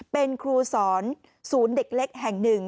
เป็นครูสอนศูนย์เด็กเล็กแห่งหนึ่ง